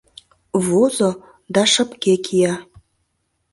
Возо да шыпке кия.